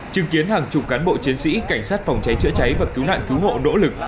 chứng kiến hàng chục cán bộ chiến sĩ cảnh sát phòng cháy chữa cháy và cứu nạn cứu hộ nỗ lực